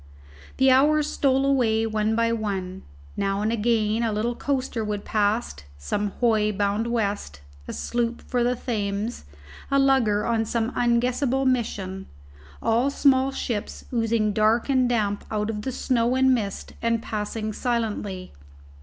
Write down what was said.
The hours stole away one by one. Now and again a little coaster would pass, some hoy bound west, a sloop for the Thames, a lugger on some unguessable mission: all small ships, oozing dark and damp out of the snow and mist and passing silently.